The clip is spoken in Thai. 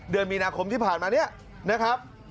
เดือนมีนาคมที่ผ่านมาเนี่ยนะครับ